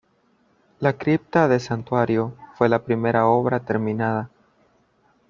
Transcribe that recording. La cripta del santuario fue la primera obra terminada.